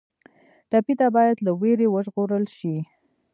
ټپي ته باید له وېرې وژغورل شي.